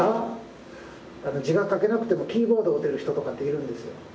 字が書けなくてもキーボードを打てる人とかっているんですよ。